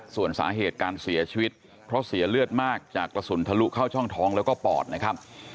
ส่วนสาเหตุการเสียชีวิตเพราะเสียเลือดมากจากกระสุนทะลุเข้าช่องท้องแล้วก็ปอดนะครับ